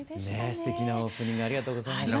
すてきなオープニングありがとうございました。